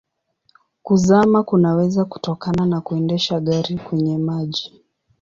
Kuzama kunaweza kutokana na kuendesha gari kwenye maji.